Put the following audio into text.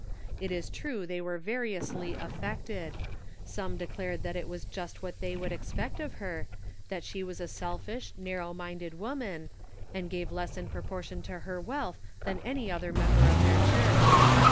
It is true they were variously affected ; some declared that it was just what they would expect of her, that she was a selfish, narrow minded woman, and gave less in proportion to her wealth that any other member of their church.